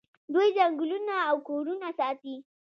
دوی ځنګلونه او کورونه ساتي.